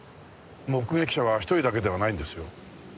目撃者は１人だけではないんですよ。